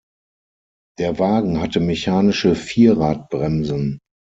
Der Wagen hatte mechanische Vierradbremsen.